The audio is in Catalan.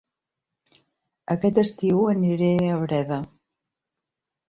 Aquest estiu aniré a Breda